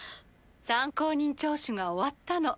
参考人聴取が終わったの。